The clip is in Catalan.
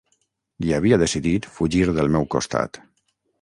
I havia decidit fugir del meu costat.